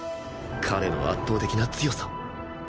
彼の圧倒的な強さ